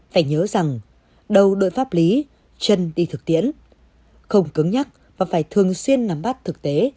phải nhớ rằng đầu đội pháp lý chân đi thực tiễn không cứng nhắc và phải thường xuyên nắm bắt thực tế